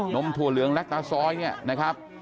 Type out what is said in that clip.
นมทัวล์เหลืองลักษณะซอยนี่นะครับ